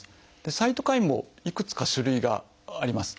サイトカインもいくつか種類があります。